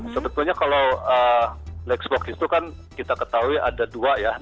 sebetulnya kalau black box itu kan kita ketahui ada dua ya